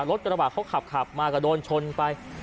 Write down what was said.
รถกระบะเขามีคลาบมาก็โดนชนพูดทางล่างไป